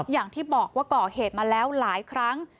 อย่างที่บอกว่าก่อเหตุมาแล้วหลายครั้ง